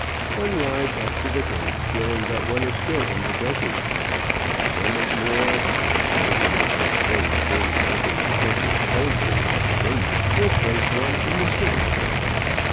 One rides up to the gate feeling that one is still in the desert; and yet a moment more, with the permission of those very dirty looking Turkish soldiers at the gate, will place one in the city.